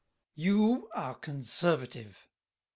You are conservative.